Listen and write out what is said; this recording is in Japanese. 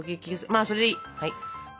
まあそれでいいはい。